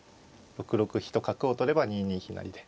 ６六飛と角を取れば２二飛成で。